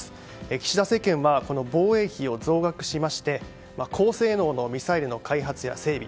岸田政権はこの防衛費を増額しまして高性能のミサイルの開発や整備